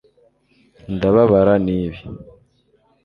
ndababara nibi ..